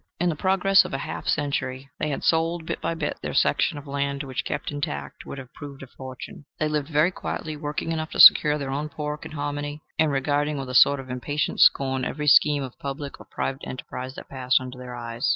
In the progress of a half century they had sold, bit by bit, their section of land, which kept intact would have proved a fortune. They lived very quietly, working enough to secure their own pork and hominy, and regarding with a sort of impatient scorn every scheme of public or private enterprise that passed under their eyes.